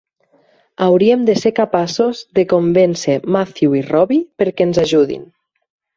Hauríem de ser capaços de convèncer Matthew i Robbie perquè ens ajudin.